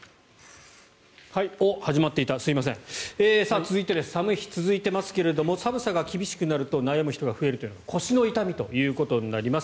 続いて、寒い日が続いていますが寒さが厳しくなると悩む人が増えるのが腰の痛みということになります。